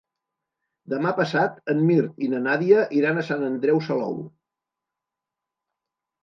Demà passat en Mirt i na Nàdia iran a Sant Andreu Salou.